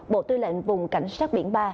bộ tư lệnh vùng cảnh sát biển ba